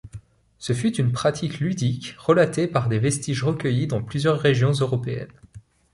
Ce fut une pratique ludique relatée par des vestiges recueillis dans plusieurs régions européennes.